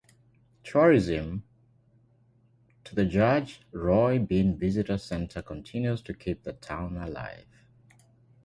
Tourism to the Judge Roy Bean Visitor Center continues to keep the town alive.